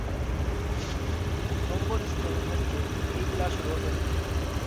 নম্বরস্তৈন হচ্ছে এই জেলার সদরদপ্তর।